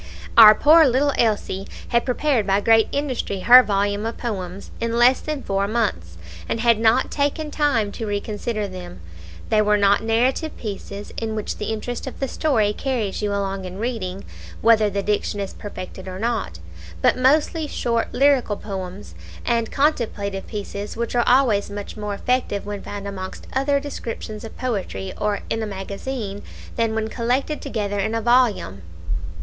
Our poor little Elsie had prepared by great industry her volume of poems in less than four months, and had not taken time to reconsider them. They were not narrative pieces, in which the interest of the story carries you along in reading, whether the diction is perfected or not, but mostly short lyrical poems, and contemplative pieces, which are always much more effective when found amongst other descriptions of poetry or in a magazine, than when collected together in a volume.